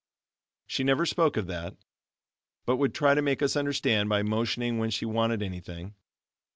She never spoke after that, but would try to make us understand by motioning when she wanted anything.